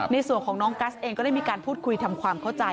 ในส่วนของน้องกัสเองก็ได้มีการพูดคุยทำความเข้าใจ